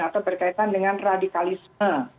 atau berkaitan dengan radikalisme